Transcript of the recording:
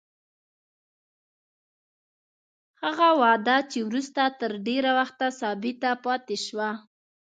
هغه وده چې وروسته تر ډېره وخته ثابته پاتې شوه.